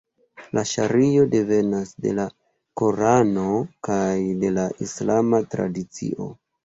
La ŝario devenas de la Korano kaj de la islama tradicio.